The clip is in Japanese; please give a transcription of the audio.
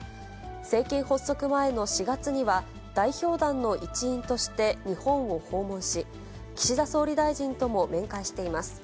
政権発足前の４月には、代表団の一員として日本を訪問し、岸田総理大臣とも面会しています。